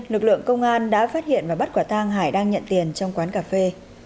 lực lượng công an đã phát hiện và bắt quả tang hải đang nhận tiền trong quán cà phê